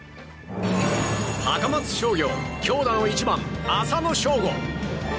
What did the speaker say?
高松商業強打の１番、浅野翔吾。